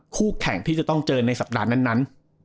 คู่แข่งที่จะต้องเจอในสัปดาห์นั้น